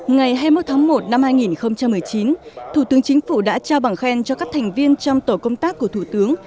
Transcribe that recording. ngày hai mươi một tháng một năm hai nghìn một mươi chín thủ tướng chính phủ đã trao bằng khen cho các thành viên trong tổ công tác của thủ tướng